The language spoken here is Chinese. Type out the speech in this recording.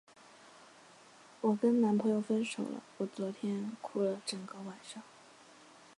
我跟男朋友分手了，我昨天哭了整个晚上。